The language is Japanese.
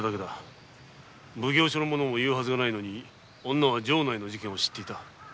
奉行所が言うはずもないのに女は城内の事件を知っていた。